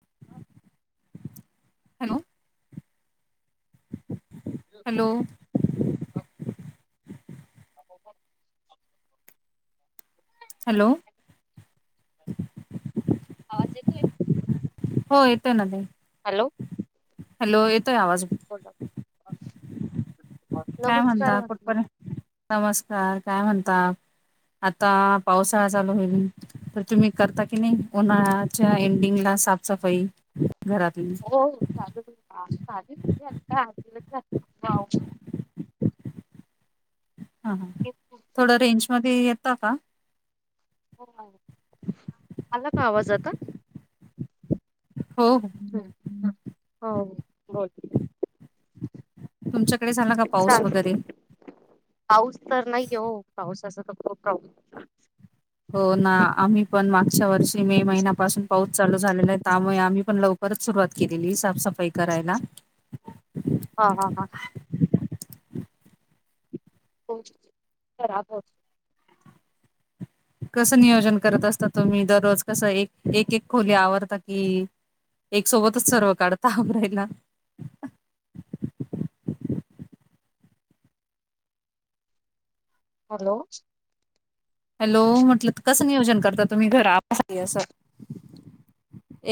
[inaudible] Hello hello [unintelligible] hello आवाज येतोय हो येतय ना ते हॅलो हॅलो येतोय आवाज [inaudible] काय नमस्कार म्हणता म्हटलं कुठपर्यंत नमस्कार काय म्हणता आता पावसाळा चालू होईल तर तुम्ही करता की नाही उन्हाळच्या एंडिंगला साफ सफाई हो चालू [unintelligible] [inaudible] हा हा थोडं रेंज मध्ये येत का? आला का आवाज आता. हो हो ह हो [unintelligible] तुमच्या चालत पाऊस तर नाही ओ पाऊसाच [inaudible] हो ना आम्ही पण मागच्या वर्षी मे महिन्यापासून पाऊस चालू झालेला आहे त्यामुळे आम्ही पण लवकर परत सुरुवात केलेली साफसफा हा हा हा. हो खराब होत कसं नियोजन करत असता तुम्ही दररोज कसं एक एक एक खोली आवरता की एक सोबतच सर्व काढता आवरायला? हॅलो. हॅलो म्हटल कसं नियोजन करता तुम्ही घरा आवरायसाठी असं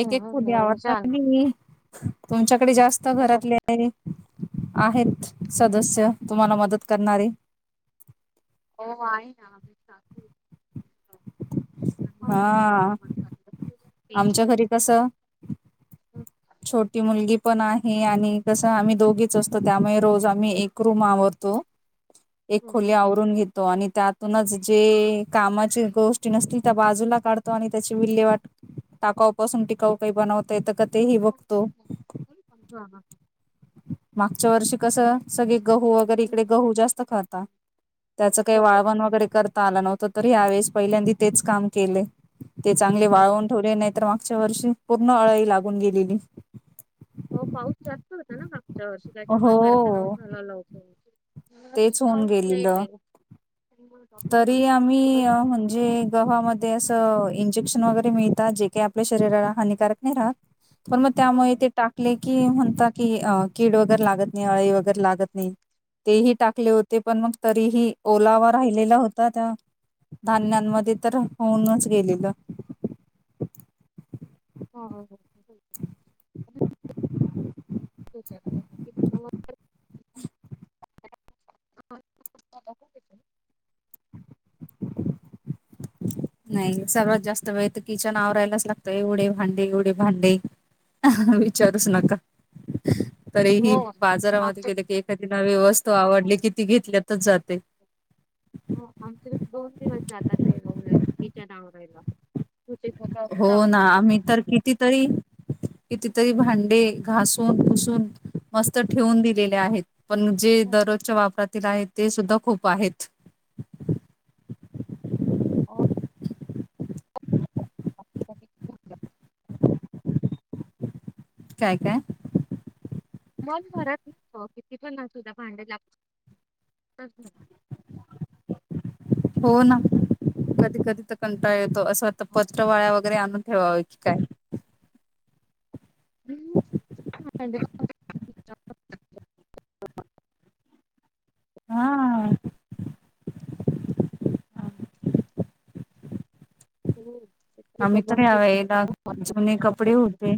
एक एक खोली आवरते छान आणि मी तुमच्याकडे जास्त हो घरातले आहे आहेत सदस्य तुम्हाला मदत करणारे हो आहे ना हा [unintelligible] आमच्या घरी कस छोटी मुलगी पण आहे आणि कसं आम्ही दोघीच असतो त्यामुळे रोज आम्ही एक रूम आवरतो एक हम्म. खोली आवरून घेतो आणि त्यातूनच जे कामाचे गोष्टी नसतील त्या बाजूला काढतो आणि त्याची विल्हे वाट टाकाऊ पासून टिकाऊ काही बनवता येत का ते ही हा बघतो. हा मागच्या वर्षी कस सगळे गहू वगैरे इकडे गहू जास्त खाता त्याच काही हो वाळवण वगैरे कर आला नव्हता तरी यावेेळेस पहिल्यांदी तेच काम केले ते चांगले हो वाळून नाही तर मागच्या वर्षी पूर्ण अळई लागून गेलेली हो पाऊस जास्त होता ना मागच्या वर्षी त्याच्या मुळे करता हो नव्हतं आलं [unintelligible] तेच होऊन गेलीलं त्यामुळे डॉक्टर तरी म्हणतात, आम्ही त्यामुळे- म्हणजे गव्हामध्ये अस इंजेक्शन वगैरे मिळतात जे काय आपल्या शरीराला हानिकारक नाही राहत पण मग हो त्यामुळे ते टाकले कि म्हणता की अ कीड वगैरे लागत नाही अळी वगैरे लागत नाही तेही टाकले होते पण मग तरीही आमच्या ओलावा राहिलेला होता त्या धान्यांमध्ये तर होऊनच गेलेलं हो हो हो. [unintelligible] [inaudible] नाही सर्वात जास्त वेळ तर किचन आवरायलाच लागतोय एवढे भांडे एवढे भांडे विचारुच नका तरीही हो बाजारामध्ये आमच्या गेले की एखादी नवी वस्तू आवडली की ती घेतल्यातच जाते हो आमच्याकडे [unintelligible] [unintelligible] ते होऊन जाईल किचन आवरायला. छोटे मोठं हो असतात. ना आम्ही तर कितीतरी कितीतरी भांडे घासून पुसून मस्त ठेवून दिलेले आहेत पण जे हो, दररोजच्या वापरात तिला आहे ते सुद्धा खूप आहेत हो. काय काय?? मन भरत नाही ओ किती पण असू दे भांड लागताच घरात हो ना कधी कधी तर कंटाळा येतो. असं वाटत पत्रावळ्या वगैरे आणून ठेवावं की काय, ह हा ह हो आम्ही तर यावेळेला जुने कपडे होते.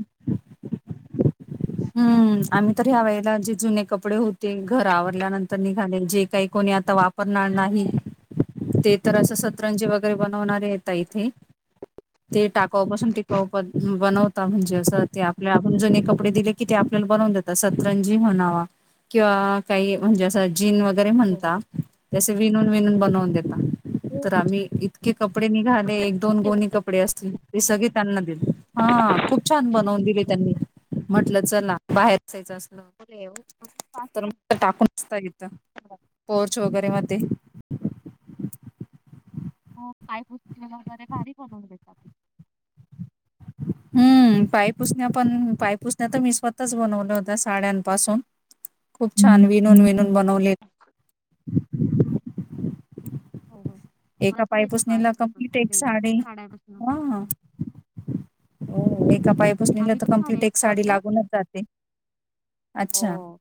हम्म आम् तर ह्या वेळेला जे जुने कपडे होते. घर आवरल्यानंतर निघाले जे काही कोणी आता वापरणार नाही. ते तर अस सतरंजी वगैरे बनवणारे येत इथे ते टा टाकाऊपासून टिकाऊपण बनवता म्हणजे असं ते आपल्या आपण जुने कपडे दिले. की ते आपल्याला बनवून देतात. सतरंजी म्हणा किंवा काही म्हणजे असं जीन वगैरे म्हणता तसे विनून विनून बनवून देता. तर आम्ही इतके कपडे निघाले. एक दोन गोणी कपडे असतील. ते सगळे त्यांना दिले. हा खूप छान बनवून दिले त्यांनी म्हटलं चला बाहेर अस तर मग टाकून इथ पोर्च वगैरे ते हो पाय वर भारी बनवून देतात. [inaudible] हम्म.... पाय पुसण्या पण पाय पुसण्या तर मी स्वतःच बनवल्या होत्या साड्यांपासून खूप छान विणून विणून बनवले. हो हो मला एका पण येतं पाय पायपुसणीला कंप्लीट पुसण्यापासून एक साडी साड्यापासून हा हो एका पायपुसणीला आम्ही पण तर साड्या कंप्लीट युज एक साडी करतो. लागूनच जाते. अच्छा... हो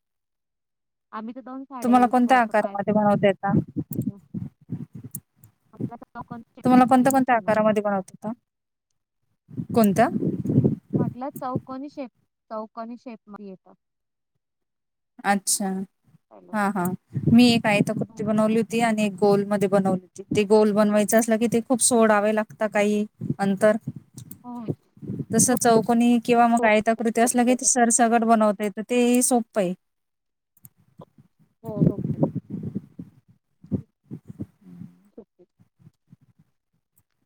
आम्ही तर दोन साड्या तुम्हाला युज कोणत्या करतो पाय आकारामध्ये बनवते येता? [inaudible] तुम्हाला कोणत्या कोणत्या बनवतो आकारामध्ये बनवता येत? कोणत्या? म्हटलं चौकनी शेप चौकनी शेप मध्ये येत. अच्छा... हा हा मी एक आयताकृती हो बनवली होती आणि एक गोलमध्ये बनवली होती. जिथे गोल बनवायच असलं कि ते खूप सोडावे लागत काही अंतर हो जस चौकनी किंवा मग आयताकृती असलं की सरसगट. बनवत तर ते सोप आहे. हो ओके... ओके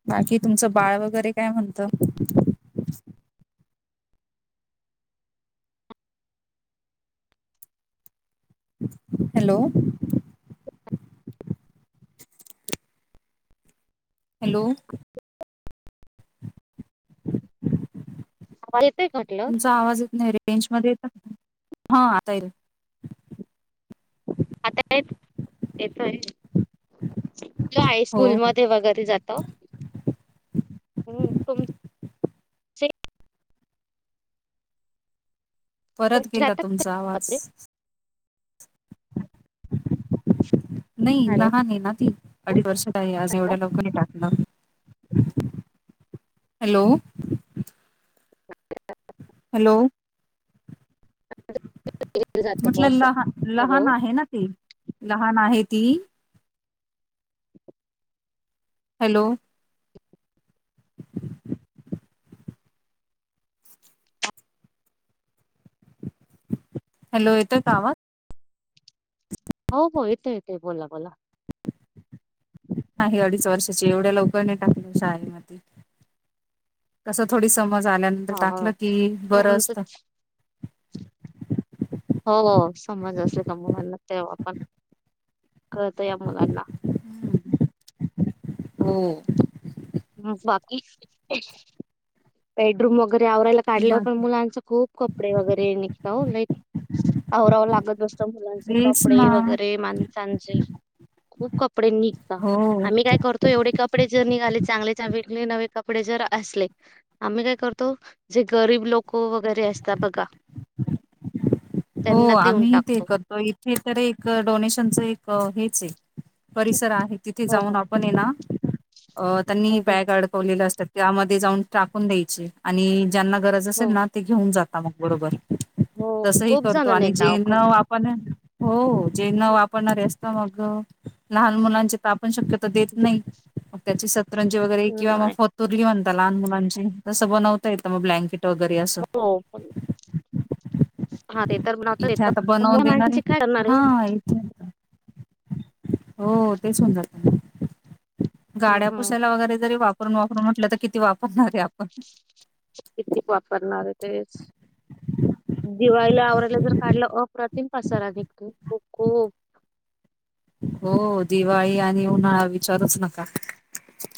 बाकी तुमचं बाळ वगैरे काय म्हणत? हॅलो... हॅलो... [inaudible] [inaudible] तुमचा आवाज येत नाही. रेंज मध्ये येता का तुम्ही? आता येतोय. आता येत येतोय येतोय हो हायस्कूल हो मध्ये वगैरे जात हम तुम चे परत गेला जातात का तुमचा आवाज मध्ये? नाही हॅलो, लहान आहे ना ती अडीच वर्ष आज एवढ्या लवकर नाही टाकलं. हॅलो.. हॅलो जात ब म्हटलं असं लहान हॅलो लहान आहे ना ती लहान आहे. ती हॅलो हॅलो येतोय का? आवा हो, हो! येते, येते... बोला, बोला! [inaudible] आहे अडीच वर्षाची एवढ्या लवकरनी टाकेशा आहे मात कसं थोडी समज आल्यानंतर हा हा टाकलं कि नाही बरं आमचं असतं. हो, हो! समज असले का मुलांना तेव्हा आपण. कळतं या मुलांना. हो.. बाकी.. बेडरूम वगैरे. आवरायला काढल्यावर बर पण मुलांच खूप कपडे वगैरे निघत हो! लई आवरावर लागत ब- मुलांचे तेच ना कपडे वगैरे, माणसांचे खूप कप- कपडे निघता, हो आम्ही काय करतो एवढे कपडे जर निघाले? चांगले चां वेगळे नवे कपडे जर असले, आम्ही काय करतो जे गरीब लोक वगैरे- असत बघा ह हो, त्यांना देऊन आम्ही ते टाकतो. करतो इथे तर एक डोनेशनच एक हेच हे- परिसर आहे, तिथे हो जाऊन हो आपण ये ना त्यांनी हो हो बॅग अडकवलेलं असतात. त्यामध्ये जाऊन टाकून द्यायचे आणि ज्यांना गरज असेल हो. ना, ते घेऊन जाता मग. बरोबर- हो तस ही खूप करतो जणांनी आणि नाव जे न करून आपण- हो, हो! जे न वापरणारे असतं मग लहान मुलांचे तप- पण शक्यतो देत नाही मग त्याची सतरंजी वगैरे, हं, किंवा मग नाही फतुरली म्हण- लहान मुलांची तसं बनवता येतं मग, ब्लॅंके- हो, हा ते- तर बनवता इथे येत आता बनवून मोठ्या देणार माणसांचे आहे. काय करणार हो. हा, इथे. हो, ते सुंदर! हं, गाड्या हं. पुसायला वगैरे जरी वापर- ून वापरून म्हटलं तर किती वापरणार आहे आपण? किती वापरणार आहे तेच? दिवाळीला आवरायला जर काढलं अप्रतिम पसारा नि कोको. हो, दिवाळी आणि उन्हाळा विचारुच नका.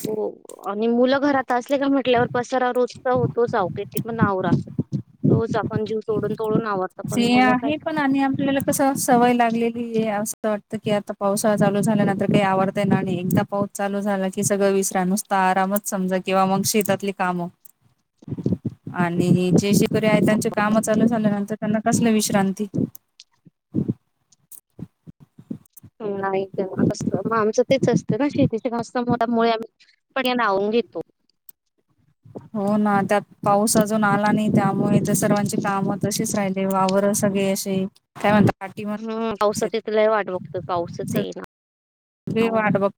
हो आणि मुलं घरात असले का म्हटल्यावर पसारा रोजचा होतोच आहो किती पण आवरा. रोज आपण जीव तोडून तोडून आवरतो पण मुलं काय आहे पण आणि आपल्याला कसं सवय लागलेली आहे असं. आता वाटतं की आता पावसाळा चालू झाल्यानंतर काही आवरता येणार नाही. एकदा पाऊस चालू झाला की सगळं विसराय नुसता. आरामच समजा किंवा मग शेतातली कामं. आणि जे शकरी आहे त्यांचे काम चालू झाल्यानंतर- त्यांना कसलं विश्रांती? नाही कसत मग आमचं तेच असत ना शेतीच्या जास्त मोडमुळे आम्ही पण या नावून घेतो. [inaudible] हो, ना! त्यात पाऊस अजून आला नाही त्यामुळे तर सर्वांचे कामं तसेच राहिले. वावर- सगळे असे काय हम्म म्हणतात? पावसाची तर लय वाट बघतो पाऊसच येईना. ग वाट ब-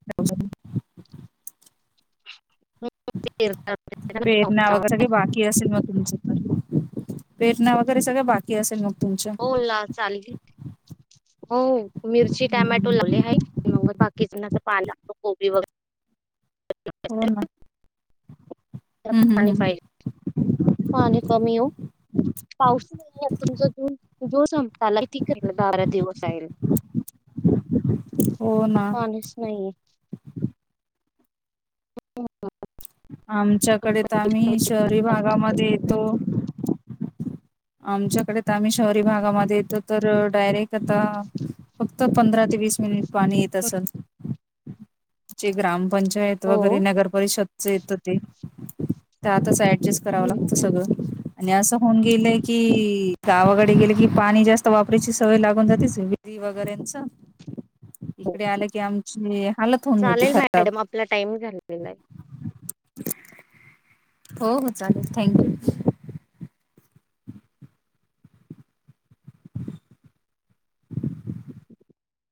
पेरणा पावसामुळे वगैरे स का बाकी असेल मग तुमच तर पेटना वगैरे सगळ बाकी असेल मग तुमच्या हो ला चाले- हो, मिरची टमॅटो लावले आहे. म बाकी- पाला, गोबी हो ना. वगैरे- हम्म हम्म पाणी हम्म. पाहि- पाणी कमी हो पाऊस नाही तुमचा ज जो संपताला त बारा दिवस येईल हो ना पाणीस नाहीये आमच्याकडे तर आम्ही शहरी भागामध्ये येतो. आमच्याकडे तर आम्ही शहरी भागामध्ये येतो तर डायरेक्ट आता फक्त पंधरा ते- वीस मिनिट पाणी येत असल. जे ग्रामपंचायत हो. वगैरे नगर परिषद येत हो ते त्यातच अँड करावं हम्म लागतं हम्म. सगळं आणि असं. होऊन गेले की गावाकडे गेले की पाणी जास्त वापरायची सवय लागून जातेच विरी वगैरेच इकडे आलं की आमचे. चालेल मॅडम आपला टाइम झालेला आहे हो हो चालेल थँक यू [unintelligible]